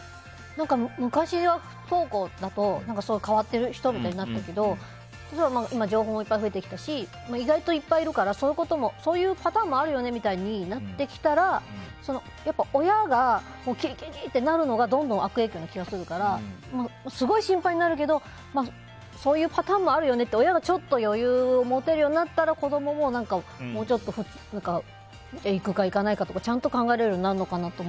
昔は不登校だと変わってる人みたいになったけど今、情報もいっぱい増えてきたし意外といっぱいいるからそういうパターンもあるよねってなってきたら親がキーキー！ってなるのがどんどん悪影響な気がするからすごい心配になるけどそういうパターンもあるよねって親がちょっと余裕を持てるようになったら子供も行くか行かないかとか、ちゃんと考えられるようになるのかなって。